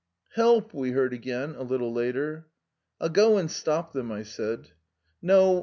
" we heard again, a little later. ' I'll go and part them," I said. ' No.